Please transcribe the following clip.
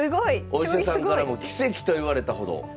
お医者さんからも奇跡と言われたほど。